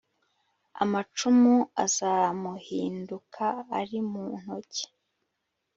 amacumu azamuhinduka ari mu ntoki